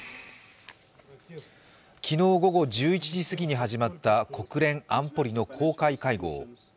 昨日午後１１時すぎに始まった国連安保理の公開会合。